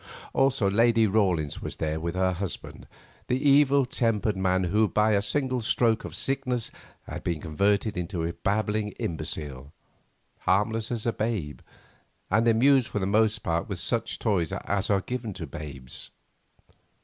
Also Lady Rawlins was there with her husband, the evil tempered man who by a single stroke of sickness had been converted into a babbling imbecile, harmless as a babe, and amused for the most part with such toys as are given to babes.